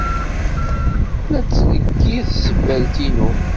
La tneggi tsebbalt-inu.